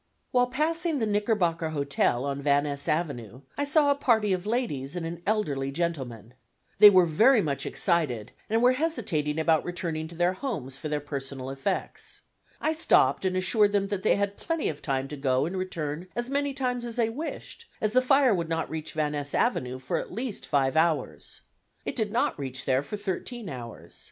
While passing the Knickerbocker Hotel, on Van Ness Avenue, I saw a party of ladies and an elderly gentleman. They were very much excited and were hesitating about returning to their rooms for their personal effects. I stopped and assured them that they had plenty of time to go and return as many times as they wished, as the fire would not reach Van Ness Avenue for at least five hours. It did not reach there for thirteen hours.